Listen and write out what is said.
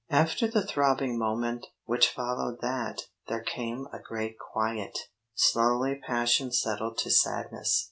After the throbbing moment which followed that there came a great quiet; slowly passion settled to sadness.